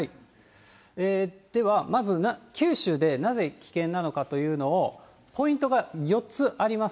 ではまず、九州でなぜ危険なのかというのを、ポイントが４つあります。